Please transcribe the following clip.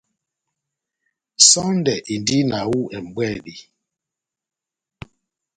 Sɔndɛ endi na hú ɛmbwedi.